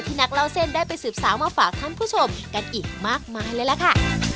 นักเล่าเส้นได้ไปสืบสาวมาฝากท่านผู้ชมกันอีกมากมายเลยล่ะค่ะ